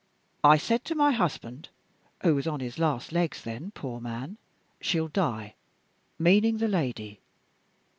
I said to my husband (who was on his last legs then, poor man!) 'She'll die' meaning the lady.